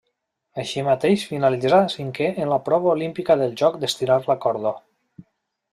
Així mateix finalitzà cinquè en la prova olímpica del joc d'estirar la corda.